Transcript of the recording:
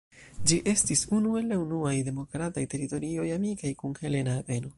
Ĝi estis unu el la unuaj demokrataj teritorioj amikaj kun helena Ateno.